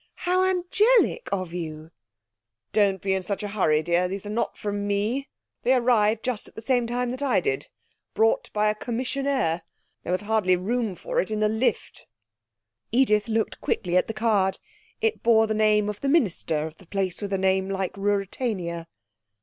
How angelic of you!' 'Don't be in such a hurry, dear. These are not from me. They arrived just at the same time that I did. Brought by a commissionaire. There was hardly room for it in the lift.' Edith looked quickly at the card. It bore the name of the minister of the place with a name like Ruritania.